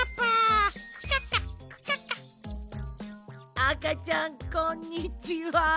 あかちゃんこんにちは。